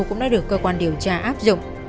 cũng đã được cơ quan điều tra áp dụng